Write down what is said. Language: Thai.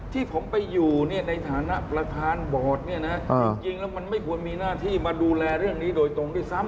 ที่ผมไปอยู่ในฐานะประธานบอร์ดเนี่ยนะจริงแล้วมันไม่ควรมีหน้าที่มาดูแลเรื่องนี้โดยตรงด้วยซ้ำ